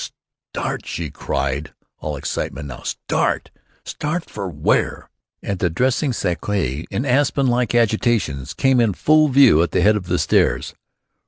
"Start!" she cried, all excitement now. "Start! Start for where?" and the dressing sacque in aspen like agitations came in full view at the head of the stairs.